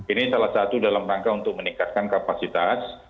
ini salah satu dalam rangka untuk meningkatkan kapasitas